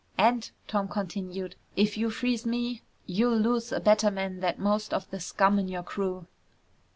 "And," Tom continued, "if you freeze me, you'll lose a better man than most of the scum in your crew!"